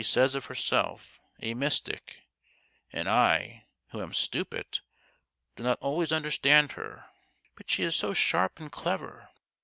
175 says of herself, a mystic : and I, who am stupid, do not always understand her. But she is so sharp and clever